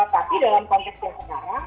tapi dalam konteks yang sekarang